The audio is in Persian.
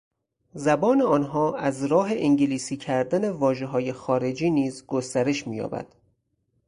زبان آنها ازراه انگلیسی کردن واژه های خارجی نیز گسترش مییابد.